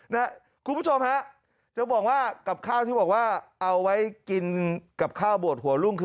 นะครับคุณผู้ชมครับจะบอกว่ากับข้าวเอาไว้กินกับข้าวบวกหัวรุ่ง